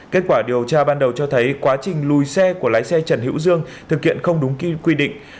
kết quả điều tra ban đầu cho thấy quá trình lùi xe của lái xe trần hữu dương thực hiện không đúng quy định